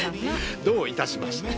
どういたしまして。